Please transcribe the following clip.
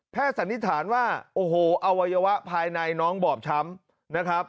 สันนิษฐานว่าโอ้โหอวัยวะภายในน้องบอบช้ำนะครับ